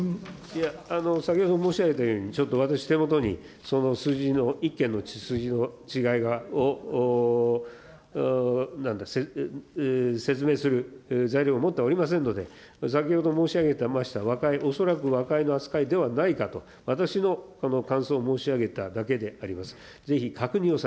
いや、先ほど申し上げたように、ちょっと私、手元にその数字の、１件の数字の違いを説明する材料を持っておりませんので、先ほど申し上げた和解、恐らく和解の扱いではないかと、私の感想を申し上げただけであります。